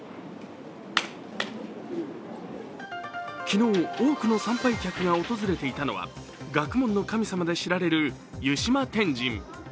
昨日、多くの参拝客が訪れていたのは学問の神様で知られる湯島天神。